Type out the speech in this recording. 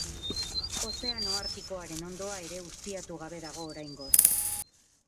Ozeano Artikoaren hondoa ere ustiatu gabe dago oraingoz.